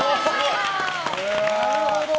なるほど！